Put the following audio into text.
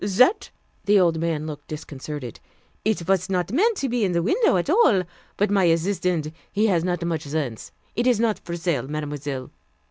"That?" The old man looked disconcerted. "It was not meant to be in the window at all; but my assistant, he has not much sense. It is not for sale, Mademoiselle."